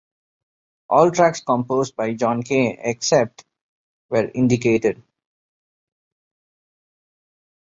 All tracks composed by John Kay, except where indicated.